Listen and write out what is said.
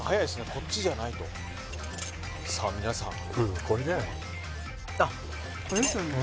「こっちじゃない？」とさあ皆さんうんあっこれですよね